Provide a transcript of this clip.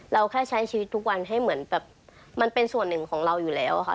เราแค่ใช้ชีวิตทุกวันให้เหมือนแบบมันเป็นส่วนหนึ่งของเราอยู่แล้วค่ะ